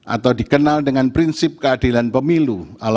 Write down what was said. atau dikenal dengan prinsip keadilan pemilu